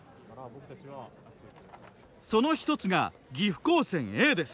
その一つが岐阜高専Ａです。